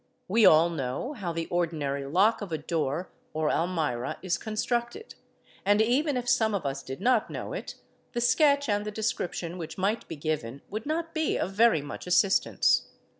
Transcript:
We all know how the ordinary lock of a door or almirah is constructed, and even if some of us did not know it, the sketch and the description which might be given would not be of very much assistance.